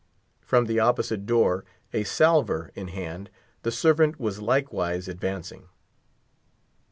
From the opposite door, a salver in hand, the servant was likewise advancing.